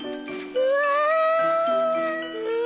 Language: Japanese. うわ！